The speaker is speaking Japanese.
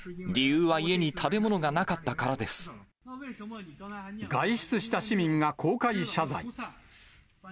理由は家に食べ物がなかったから外出した市民が公開謝罪。